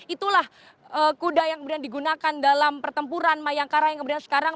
itulah kuda yang kemudian digunakan dalam pertempuran mayangkara yang kemudian sekarang